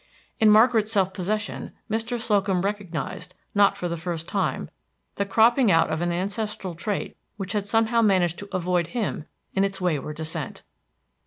In Margaret's self possession Mr. Slocum recognized, not for the first time, the cropping out of an ancestral trait which had somehow managed to avoid him in its wayward descent.